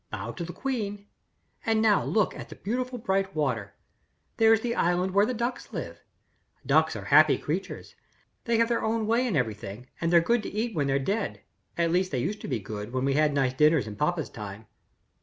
Bow to the queen. And now look at the beautiful bright water. There's the island where the ducks live. Ducks are happy creatures. They have their own way in everything, and they're good to eat when they're dead. At least they used to be good, when we had nice dinners in papa's time.